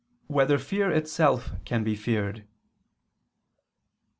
4] Whether Fear Itself Can Be Feared?